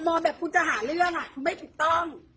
แบบคุณจะหาเรื่องคุณไม่ถูกต้อง